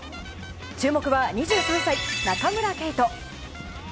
注目は２３歳、中村敬斗。